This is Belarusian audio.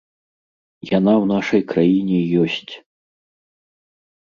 Яна ў нашай краіне ёсць!